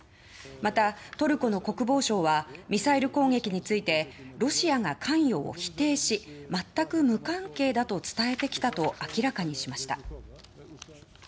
また、トルコの国防相はミサイル攻撃についてロシアが関与を否定し全く無関係だと伝えてきたと明らかにしました。